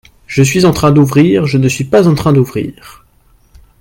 Je suis en train d’ouvrir, je ne suis pas en train d’ouvrir.